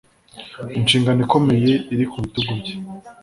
Inshingano ikomeye iri ku bitugu bye.